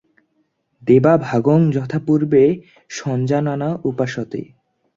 দেবা ভাগং যথা পূর্বে সঞ্জানানা উপাসতে।